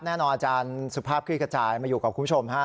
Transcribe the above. อาจารย์สุภาพคลิกระจายมาอยู่กับคุณผู้ชมฮะ